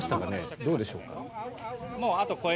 どうでしょうか。